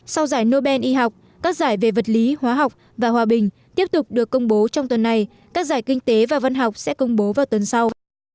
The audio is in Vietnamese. sau giải nobel y học các giải về vật lý hóa học và hòa bình tiếp tục được công bố trong tuần này các giải kinh tế và văn học sẽ công bố vào tuần sau